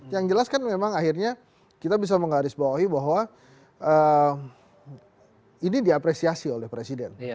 yang jelas kan memang akhirnya kita bisa menggarisbawahi bahwa ini diapresiasi oleh presiden